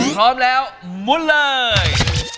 พร้อมแล้วมุนเลย